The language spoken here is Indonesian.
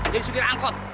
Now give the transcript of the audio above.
jadi supir angkot